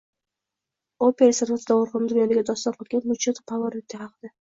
Opera san’ati dovrug‘ini dunyoga doston qilgan Luchano Pavarotti haqida